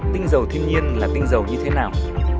tinh dầu thiên nhiên là tinh dầu như thế nào